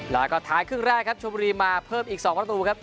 แล้วก็ท้ายครึ่งแรกครับชมบุรีมาเพิ่มอีก๒ประตูครับ